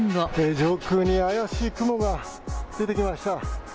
上空に怪しい雲が出てきました。